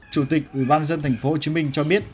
chủ tịch ủy ban dân tp hcm cho biết